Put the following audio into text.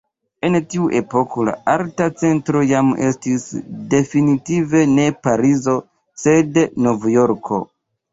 En tiu epoko la arta centro jam estis definitive ne Parizo sed Novjorko.